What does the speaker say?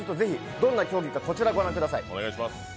どんな競技かこちらご覧ください。